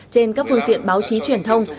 trên các phương tiện báo chí truyền thông